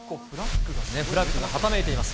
フラッグがはためいています。